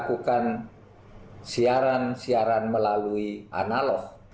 kita lakukan siaran siaran melalui analog